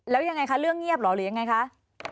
แล้วยังไงคะเรื่องเงียบเหรอหรือยังไงคะ